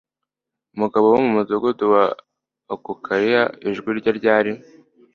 umugabo wo mu mudugudu wa akukalia. ijwi rye ryari